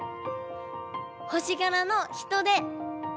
星がらのヒトデ。